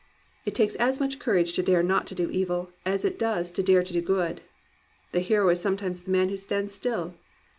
It takes as much courage to dare not to do evil as it does to dare to do good. The hero is sometimes the man who stands still.